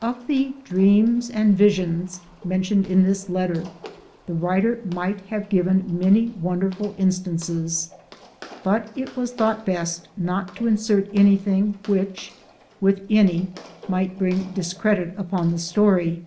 Of the " dreams and visions " mentioned in this 56 SOME SCENES IN THE letter, the writer might have given many wonder ful instances ; but it was thought best not to insert anything which, with any, might bring dis credit upon the story.